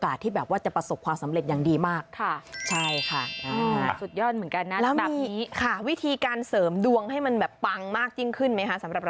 อะไรก็ได้ที่เกี่ยวกับน้ำเหรอ